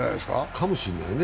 かもしれないね。